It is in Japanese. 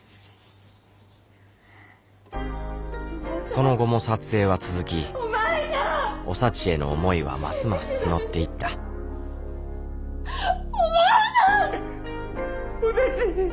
その後も撮影は続きおサチへの思いはますます募っていったお前さん！